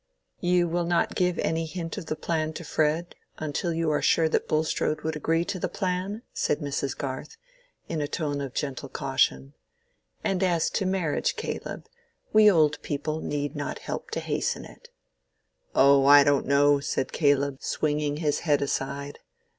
"You will not give any hint of the plan to Fred, until you are sure that Bulstrode would agree to the plan?" said Mrs. Garth, in a tone of gentle caution. "And as to marriage, Caleb, we old people need not help to hasten it." "Oh, I don't know," said Caleb, swinging his head aside.